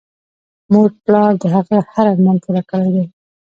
مور پلار د هغه هر ارمان پوره کړی دی